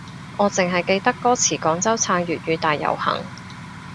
我淨係記得歌詞廣州撐粵語大遊行